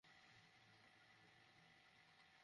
তারা নিজেরাই নিজেদের বোকা বানিয়েছে।